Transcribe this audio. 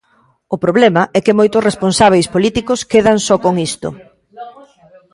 O problema é que moitos responsábeis políticos quedan só con isto.